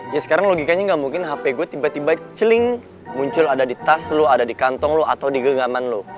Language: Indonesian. ya sekarang logikanya nggak mungkin hp gue tiba tiba celing muncul ada di tas lo ada di kantong lo atau di genggaman lo